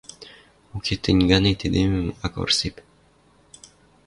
Уке, тӹнь ганет эдемӹм ак вырсеп.